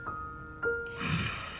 うん。